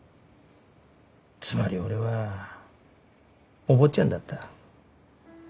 つまり俺はお坊ちゃんだった。